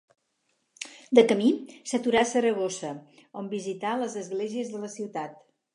De camí, s'aturà a Saragossa, on visità les esglésies de la ciutat.